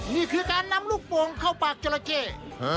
นี่คือการนำลูกโป่งเข้าปากจราเข้